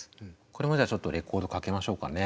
これもじゃあちょっとレコードかけましょうかね。